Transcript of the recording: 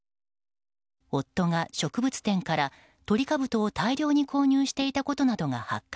夫が植物店からトリカブトを大量に購入していたことなどが発覚。